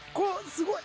すごい。